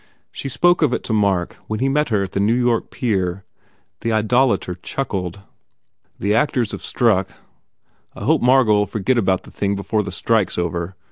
She spoke of it to Mark when he met her at the New York pier. The idolator chuckled. "The actors have struck. I hope Margot ll forget about the thing before the strike s over.